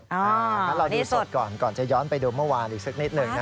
ถ้าเราดูสดก่อนก่อนจะย้อนไปดูเมื่อวานอีกสักนิดหนึ่ง